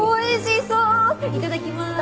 いただきます。